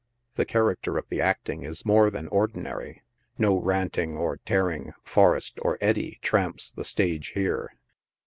The character of the acting is more than or inary— no ranting or tearing Forrest or Eddy tramps the stage here.